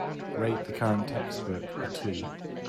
Rate the current textbook a two